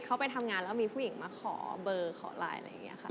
ไปทำงานแล้วมีผู้หญิงมาขอเบอร์ขอไลน์อะไรอย่างนี้ค่ะ